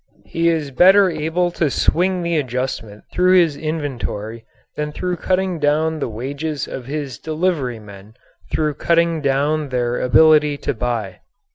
He is better able to swing the adjustment through his inventory than through cutting down the wages of his delivery men through cutting down their ability to buy.